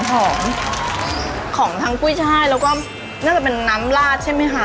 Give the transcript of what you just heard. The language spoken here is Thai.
หอมของทั้งกุ้ยช่ายแล้วก็น่าจะเป็นน้ำลาดใช่ไหมคะ